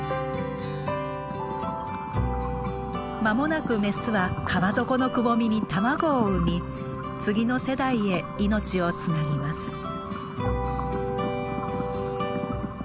間もなくメスは川底のくぼみに卵を産み次の世代へ命をつなぎます。